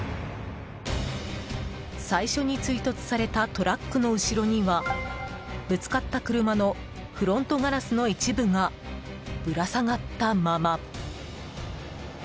最初に追突されたトラックの後ろにはぶつかった車のフロントガラスの一部がぶら下がったまま。